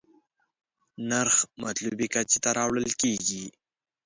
نرخ مطلوبې کچې ته راوړل کېږي.